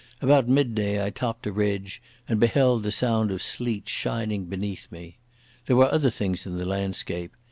About midday I topped a ridge, and beheld the Sound of Sleat shining beneath me. There were other things in the landscape.